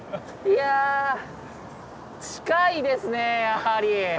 いや近いですねやはり。